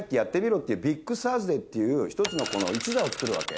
ビッグサーズデーっていう一つの一座を作るわけ。